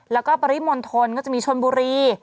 แล้วก็ปริมณฑลก็จะมีชนบุรี